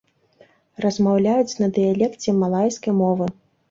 Размаўляюць на дыялекце малайскай мовы.